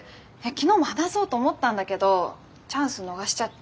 昨日も話そうと思ったんだけどチャンス逃しちゃって。